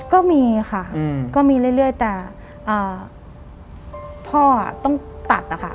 ก็มีค่ะก็มีเรื่อยแต่พ่อต้องตัดนะคะ